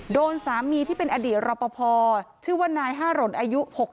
โดนสามีที่เป็นอดีตรอปภชื่อว่านายห้าหล่นอายุ๖๒